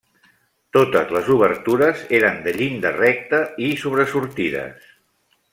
Totes les obertures eren de llinda recta i sobresortides.